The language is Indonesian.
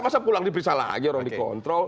masa pulang diperiksa lagi orang dikontrol